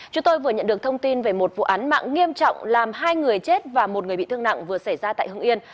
chúng tôi vừa nhận được thông tin về một vụ án mạng nghiêm trọng làm hai người chết và một người bị thương nặng vừa xảy ra tại hưng yên